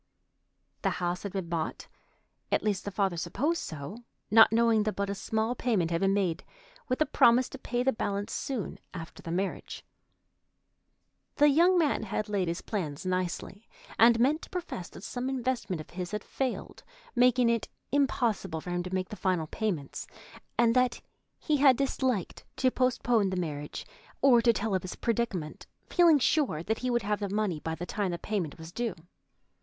The house had been bought—at least, the father supposed so—not knowing that but a small payment had been made, with a promise to pay the balance soon after the marriage. The young man had laid his plans nicely, and meant to profess that some investment of his had failed, making it impossible for him to make the final payments, and that he had disliked to postpone the marriage or to tell of his predicament, feeling sure that he would have the money by the time the payment was due.